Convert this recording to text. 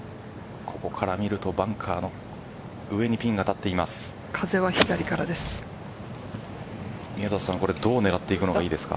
ここから見るとバンカーの上にピンが立っています。